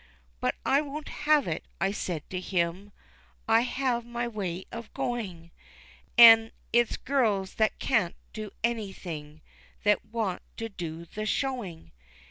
"But I won't have it," I said to him, "I have my way of going, An' it's girls that can't do anything That want to do the showing."